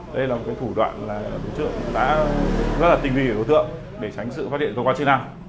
đây là một cái thủ đoạn là đối tượng đã rất là tinh vi của đối tượng để tránh sự phát điện thông qua chức năng